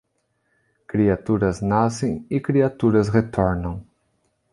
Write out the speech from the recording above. Criaturas nascem e criaturas retornam.